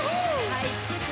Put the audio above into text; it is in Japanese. はい。